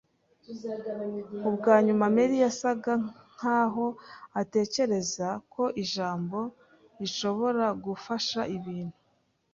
Ubwanyuma Merry yasaga nkaho atekereza ko ijambo rishobora gufasha ibintu.